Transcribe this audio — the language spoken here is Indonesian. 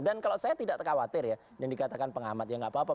dan kalau saya tidak khawatir ya yang dikatakan pengamat ya nggak apa apa